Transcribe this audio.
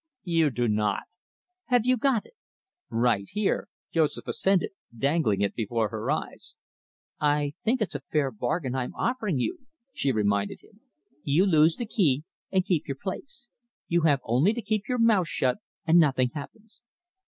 "You do not." "Have you got it?" "Right here," Joseph assented, dangling it before her eyes. "I think it's a fair bargain I'm offering you," she reminded him. "You lose the key and keep your place. You only have to keep your mouth shut and nothing happens."